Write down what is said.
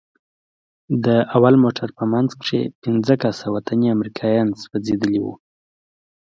د اول موټر په منځ کښې پنځه کسه وطني امريکايان سوځېدلي وو.